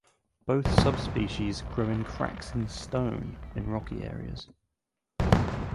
Both subspecies grow in cracks in the stone in rocky areas.